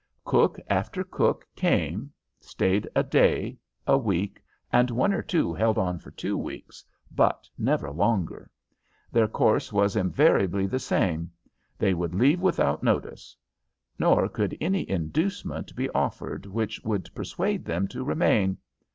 Cook after cook came, stayed a day, a week, and one or two held on for two weeks, but never longer. Their course was invariably the same they would leave without notice; nor could any inducement be offered which would persuade them to remain.